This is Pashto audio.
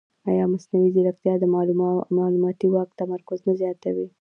ایا مصنوعي ځیرکتیا د معلوماتي واک تمرکز نه زیاتوي؟